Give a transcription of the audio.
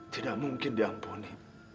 tidak mungkin diampuni